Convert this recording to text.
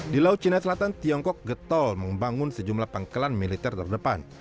di laut cina selatan tiongkok getol membangun sejumlah pangkalan militer terdepan